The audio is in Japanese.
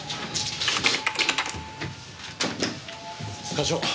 課長。